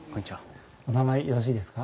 お名前よろしいですか？